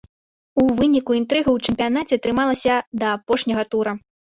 У выніку інтрыга ў чэмпіянаце трымалася да апошняга тура.